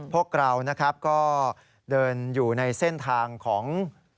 พวกเรานะครับก็เดินอยู่ในเส้นทางของ